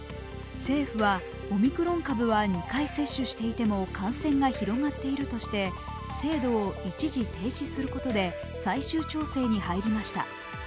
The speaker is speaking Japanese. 政府はオミクロン株は２回接種していても感染が広がっているとして制度一時停止することで最終調整に入りました。